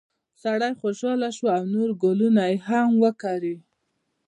سړی خوشحاله شو او نور ګلونه یې هم وکري.